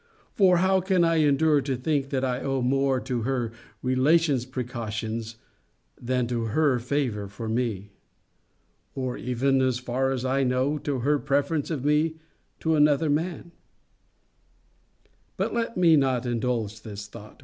For how can I endure to think that I owe more to her relations' precautions than to her favour for me? Or even, as far as I know, to her preference of me to another man? But let me not indulge this thought.